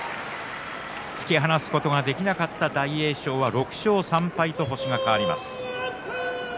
突き放すことができなかった大栄翔は６勝３敗となりました。